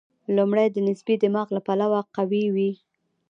لومړی د نسبتي دماغ له پلوه قوي وي.